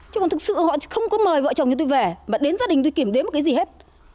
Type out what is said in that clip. chứ còn thực sự họ không có mời vợ chồng như tôi về mà đến gia đình tôi kiểm đếm một cái gì hết